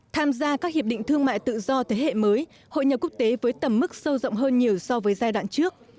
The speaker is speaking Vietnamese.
tham gia các hiệp định thương mại tự do thế hệ mới hội nhập quốc tế với tầm mức sâu rộng hơn nhiều so với giai đoạn trước